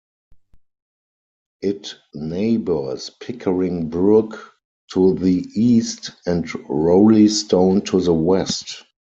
It neighbours Pickering Brook to the east and Roleystone to the west.